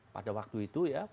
pada waktu itu ya